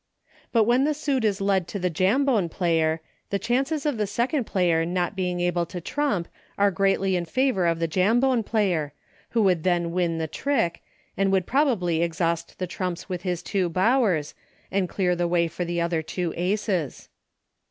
But when the suit is led to the Jambone player, the chances of the second player not being able to trump are greatly in favor of the Jam bone player, who would then win the trick, and would probably exhaust the trumps with his two Bowers, and clear the way for the other two Aces.